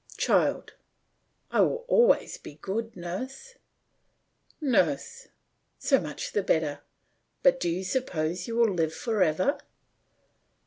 CHILD: I will always be good, nurse. NURSE: So much the better. But do you suppose you will live for ever?